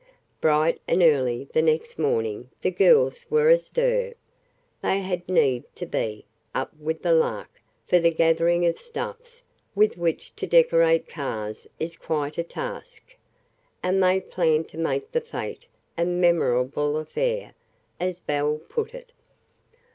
Bright and early, the next morning the girls were astir. They had need to be "up with the lark," for the gathering of stuffs with which to decorate cars is quite a task, and they planned to make the fete a memorable affair, as Belle put it.